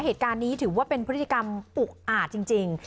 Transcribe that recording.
เหตุการณ์นี้ถือว่าเป็นพฤติกรรมอุกอาจจริง